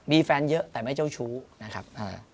มีแฟนเยอะแต่ไม่เจ้าชู้นะครับ